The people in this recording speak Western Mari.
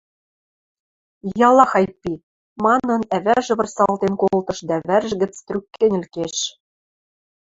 Ялахай пи! – манын, ӓвӓжӹ вырсалтен колтыш дӓ вӓржӹ гӹц трӱк кӹньӹл кеш.